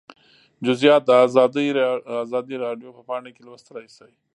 جزییات د ازادي راډیو په پاڼه کې لوستلی شئ